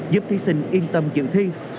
giúp thí sinh yên tâm dựng thi